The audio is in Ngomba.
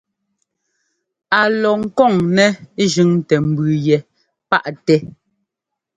Á lɔ ŋkɔ̂n nɛ́ jʉ́ntɛ́ mbʉ yɛ paʼtɛ.